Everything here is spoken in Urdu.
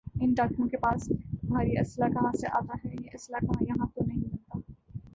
ان ڈاکوؤں کے پاس بھاری اسلحہ کہاں سے آتا ہے یہ اسلحہ یہاں تو نہیں بنتا